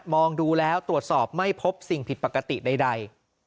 มองดูแล้วตรวจสอบไม่พบสิ่งผิดปกติใด